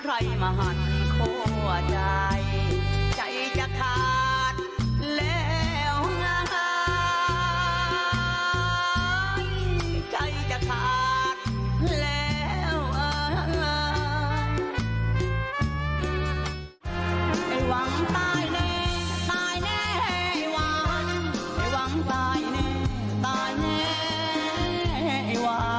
ไอ้หวังตายแน่ตายแน่ไอ้หวัง